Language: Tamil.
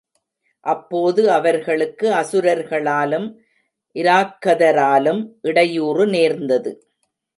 அப்போது அவர்களுக்கு அசுரர்களாலும், இராக்கதராலும் இடையூறு நேர்ந்தது.